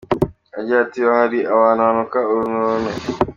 Agira ati “Ahari abantu hanuka urunturuntu.